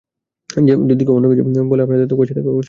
যদি কেউ অন্যকিছু বলে আপনাদের, কষে তাকে থাপ্পড় মারবেন!